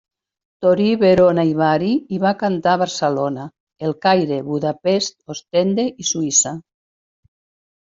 Torí, Verona i Bari, i va cantar a Barcelona, El Caire, Budapest, Ostende i Suïssa.